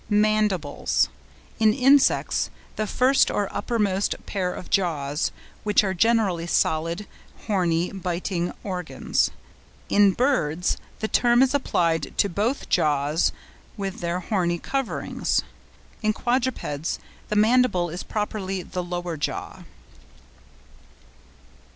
MANDIBLES.—in insects, the first or uppermost pair of jaws, which are generally solid, horny, biting organs. In birds the term is applied to both jaws with their horny coverings. In quadrupeds the mandible is properly the lower jaw.